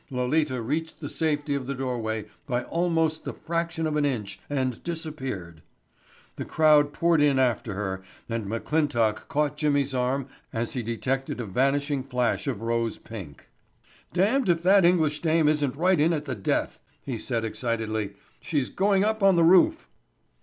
Lolita reached the safety of the doorway by almost the fraction of an inch and disappeared. The crowd poured in after her and McClintock caught Jimmy's arm as he detected a vanishing flash of rose pink. "Damned if that English dame isn't right in at the death," he said excitedly. "She's going up on the roof."